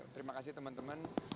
terima kasih teman teman